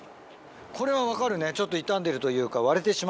これは分かるねちょっと傷んでるというか。